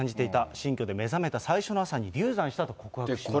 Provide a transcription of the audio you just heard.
新居で目覚めた最初の朝に、流産したと告白しています。